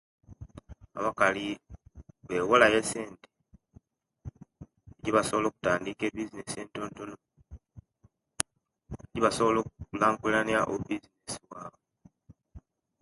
Abakali bewolayo esente eje basobola okutandika ebisinesi entontono ejebasobola okukulankulanya oluisi nijibawo